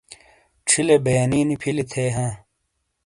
چھیلے بیانی نی پھِیلی تھے ہاں۔